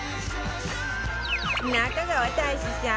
中川大志さん